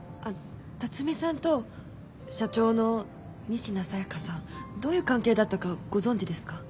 辰巳さんと社長の仁科紗耶香さんどういう関係だったかご存じですか？